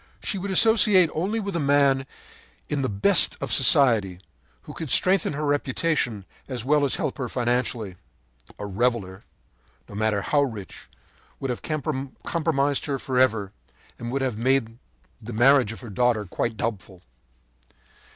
“She would associate only with a man in the best of society, who could strengthen her reputation as well as help her financially. A reveller, no matter how rich, would have compromised her forever, and would have made the marriage of her daughter quite doubtful.